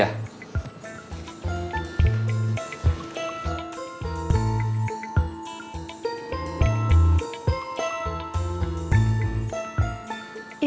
sampai jumpa lagi